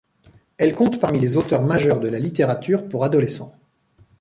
Elle compte parmi les auteurs majeurs de la littérature pour adolescents.